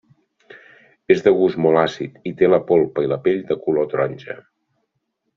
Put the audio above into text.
És de gust molt àcid i té la polpa i la pell de color taronja.